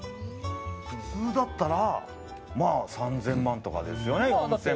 普通だったらまあ３０００万とかですよね。